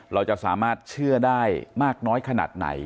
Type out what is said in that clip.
เราจะสามารถเชื่อได้มากน้อยขนาดไหน